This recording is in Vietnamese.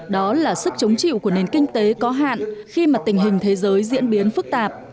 đó là sức chống chịu của nền kinh tế có hạn khi mà tình hình thế giới diễn biến phức tạp